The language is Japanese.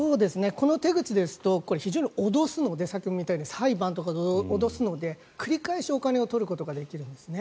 この手口ですと非常に、これ脅すので先ほども言ったように裁判とかで脅すので繰り返しお金を取ることができるんですね。